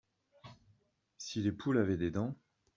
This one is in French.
si les poules avaient des dents.